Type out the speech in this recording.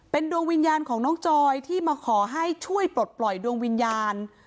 ดวงวิญญาณของน้องจอยที่มาขอให้ช่วยปลดปล่อยดวงวิญญาณ